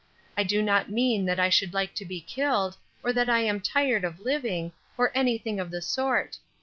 I do not mean that I would like to be killed, or that I am tired of living, or anything of the sort.